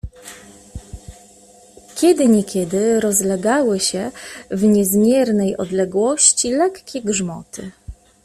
Kiedy niekiedy rozlegały się w niezmiernej odległości lekkie grzmoty.